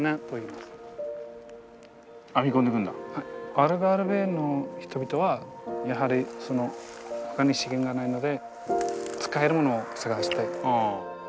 アルガルヴェの人々はやはりほかに資源がないので使えるものを探して。